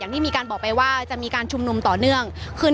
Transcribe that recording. อย่างที่บอกไปว่าเรายังยึดในเรื่องของข้อ